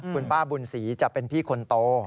คุณป้าบุญศรีจะเป็นพี่คนโต